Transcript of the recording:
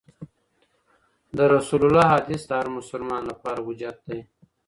د رسول الله حدیث د هر مسلمان لپاره حجت دی.